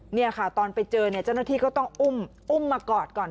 นี่ค่ะตอนไปเจอเนี่ยเจ้าหน้าที่ก็ต้องอุ้มมากอดก่อน